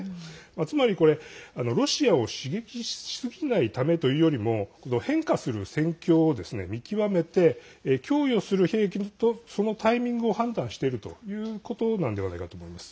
つまりこれ、ロシアを刺激しすぎないためというよりも変化する戦況を見極めて供与する兵器とそのタイミングを判断しているということなんではないかと思います。